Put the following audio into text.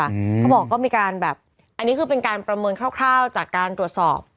เขาบอกก็มีการแบบอันนี้คือเป็นการประเมินคร่าวจากการตรวจสอบ